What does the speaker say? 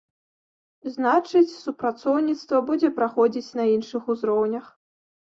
Значыць, супрацоўніцтва будзе праходзіць на іншых узроўнях.